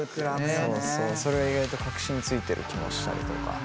そうそうそれが意外と核心ついてる気もしたりとか。